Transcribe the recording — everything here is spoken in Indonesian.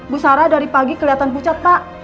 bu sarah dari pagi kelihatan pucat pak